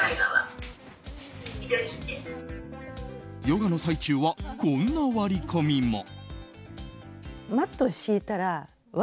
ヨガの最中は、こんな割り込みも。